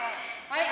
はい。